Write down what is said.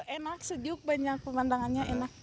enak sejuk banyak pemandangannya enak